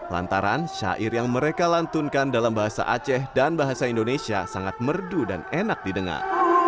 lantaran syair yang mereka lantunkan dalam bahasa aceh dan bahasa indonesia sangat merdu dan enak didengar